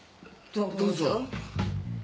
どどうぞ